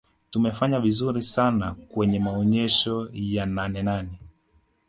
tumefanya vizuri sana kwenye maonesho ya nanenane